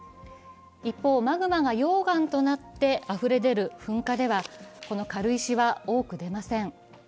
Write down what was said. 一方、マグマが溶岩となってあふれ出る噴火では、この軽石は多く出ません。